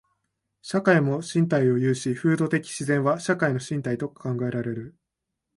社会も身体を有し、風土的自然は社会の身体と考えられる。